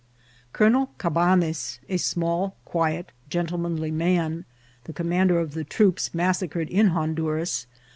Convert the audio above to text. Colonel Cabanes, a small, quiet, gentlemanly man, the commander of the troops massacred in Honduras.